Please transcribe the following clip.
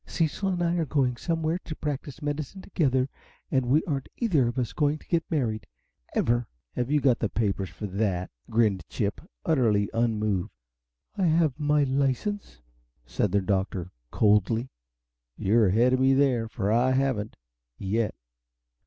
Cecil and I are going somewhere and practice medicine together and we aren't either of us going to get married, ever!" "Have you got the papers for that?" grinned Chip, utterly unmoved. "I have my license," said the Little Doctor, coldly. "You're ahead of me there, for I haven't yet.